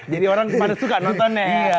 jadi orang pada suka nontonnya